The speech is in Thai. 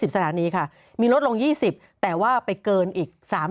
สถานีค่ะมีลดลง๒๐แต่ว่าไปเกินอีก๓๐